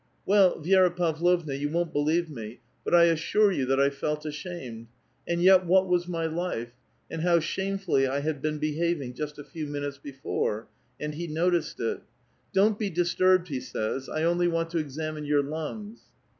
^^ell, Vi6ra Pavlovna, you won't believe me, but I assure J'oci that I felt ashamed, — and yet what was my life ? and how shamefully I had been behaving just a few minutes before !— and he noticed it. 'Don't be disturbed,' he says ; 'I only "Want to examine your lungs.'